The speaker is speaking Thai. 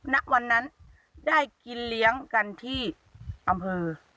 ณวันนั้นได้กินเลี้ยงกันที่อำเภอ